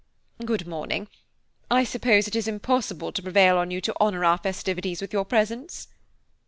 Good morning–I suppose it is impossible to prevail on you to honour our festivities with your presence?"